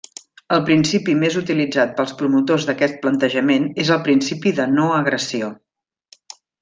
El principi més utilitzat pels promotors d'aquest plantejament és el principi de no-agressió.